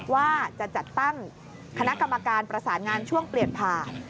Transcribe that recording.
ว่าจะจัดตั้งคณะกรรมการประสานงานช่วงเปลี่ยนผ่าน